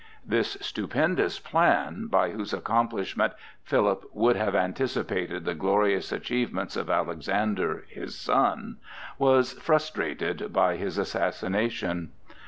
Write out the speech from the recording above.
This stupendous plan, by whose accomplishment Philip would have anticipated the glorious achievements of Alexander, his son, was frustrated by his assassination.